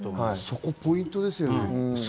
そこポイントですよね。